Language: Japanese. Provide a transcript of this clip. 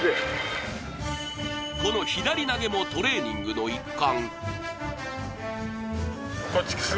この左投げもトレーニングの一環。